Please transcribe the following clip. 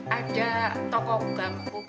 ada tokoh ganggu